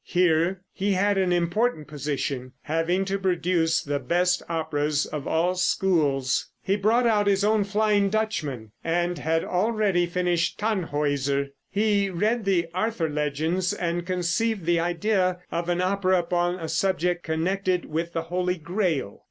Here he had an important position, having to produce the best operas of all schools. He brought out his own "Flying Dutchman" and had already finished "Tannhäuser." He read the Arthur legends, and conceived the idea of an opera upon a subject connected with the Holy Grail.